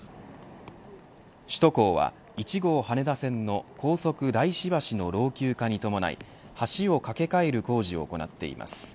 首都高は、１号羽田線の高速大師橋の老朽化に伴い橋を架け替える工事を行っています。